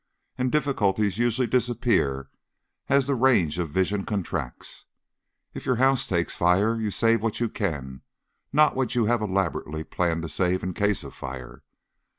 And difficulties usually disappear as the range of vision contracts. If your house takes fire, you save what you can, not what you have elaborately planned to save in case of fire.